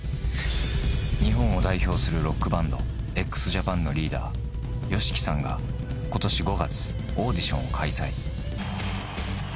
日本を代表するロックバンド、ＸＪＡＰＡＮのリーダー、ＹＯＳＨＩＫＩさんがことし５月、オーディションを開催。